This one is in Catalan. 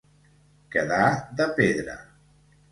Quedar de pedra.